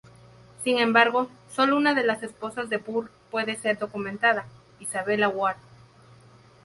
Sin embargo, solo una de las esposas de Burr puede ser documentada, Isabella Ward.